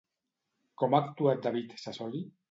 Com ha actuat David Sassoli?